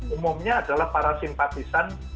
umumnya adalah para simpatisan